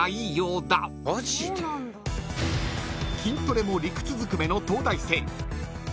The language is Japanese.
［筋トレも理屈ずくめの東大生］